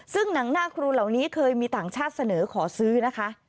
ซึ่งหนังหน้าครูเหล่านี้เคยมีต่างชาติเสนอขอซื้อนะคะ